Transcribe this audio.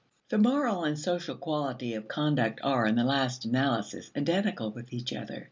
The moral and the social quality of conduct are, in the last analysis, identical with each other.